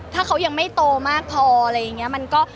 ถ้าเขายังไม่โตมากพออะไรอย่างเงี้ยมันก็